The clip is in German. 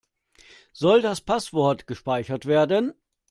Soll das Passwort gespeichert werden?